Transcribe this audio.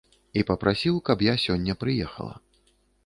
І папрасіў, каб я сёння прыехала.